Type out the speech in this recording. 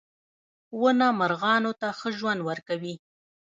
• ونه مرغانو ته ښه ژوند ورکوي.